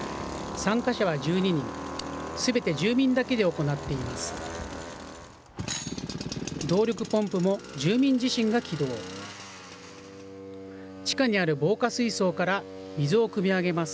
参加者は１２人、すべて住民だけで行っています。